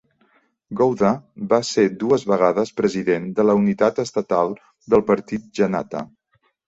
Gowda va ser dues vegades president de la unitat estatal del Partit Janata.